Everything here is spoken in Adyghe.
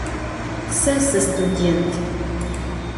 Se sıstudênt.